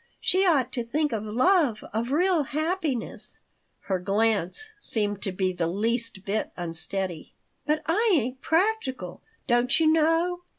She ought to think of love, of real happiness." (Her glance seemed to be the least bit unsteady.) "But I ain't 'practical,' don't you know.